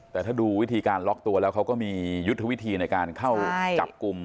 แต่ถ้าดูวิธีการล็อกตัวแล้วเขาก็มียุทธวิธีในการเข้าจับกลุ่ม